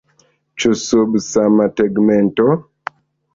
Ĉu sub sama tegmento?